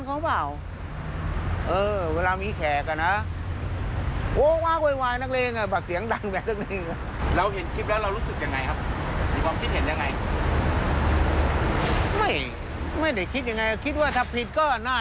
เออเวลามีแขกน่ะ